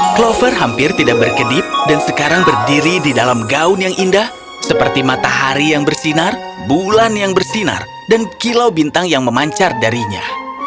clover hampir tidak berkedip dan sekarang berdiri di dalam gaun yang indah seperti matahari yang bersinar bulan yang bersinar dan kilau bintang yang memancar darinya